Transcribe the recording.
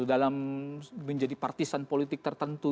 dalam menjadi partisan politik tertentu